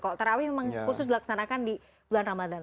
kalau terawih memang khusus dilaksanakan di bulan ramadan